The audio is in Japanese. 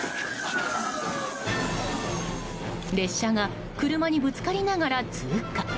列車が車にぶつかりながら通過。